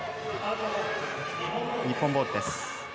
日本ボールです。